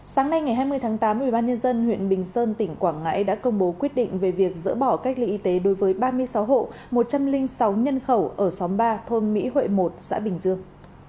sáng nay ngày hai mươi tháng tám ubnd huyện bình sơn tỉnh quảng ngãi đã công bố quyết định về việc dỡ bỏ cách ly y tế đối với ba mươi sáu hộ một trăm linh sáu nhân khẩu ở xóm ba thôn mỹ huệ một xã bình dương